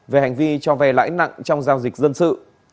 về hành vi cho vay lãi nặng trong giao dịch dân sự